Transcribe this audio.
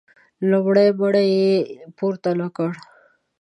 لومړۍ مړۍ یې پورته نه کړه.